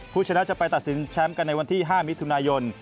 ผู้ชนะจะไปตัดสินแชมป์กันในวันที่๕มิถุนายน